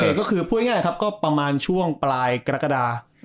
ก็คือพูดง่ายครับก็ประมาณช่วงปลายกรกฎา